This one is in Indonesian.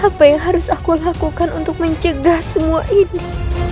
apa yang harus aku lakukan untuk mencegah semua ini